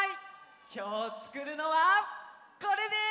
きょうつくるのはこれです！